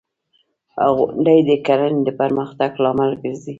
• غونډۍ د کرنې د پرمختګ لامل ګرځي.